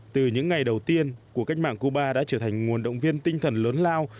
từ những ngày đầu tiên cuộc cách mạng cuba đã trở thành nguồn động viên tinh thần lớn lao